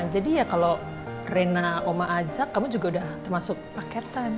jadi ya kalau reina oma ajak kamu juga udah termasuk paketan